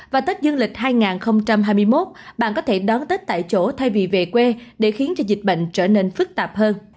và tết dương lịch hai nghìn hai mươi một bạn có thể đón tết tại chỗ thay vì về quê để khiến cho dịch bệnh trở nên phức tạp hơn